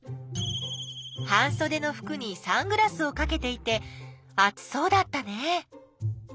半そでのふくにサングラスをかけていて暑そうだったね。